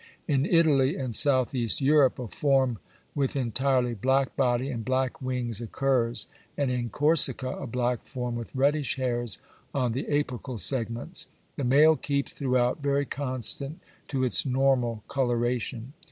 In Italy and south east Europe a form with entirely black body and black wings occurs, and in Corsica a black form with reddish hairs on the apical segments. The male keeps throughout very constant to its normal coloration.